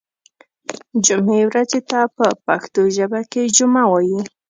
جمعې ورځې ته په پښتو ژبه کې جمعه وایی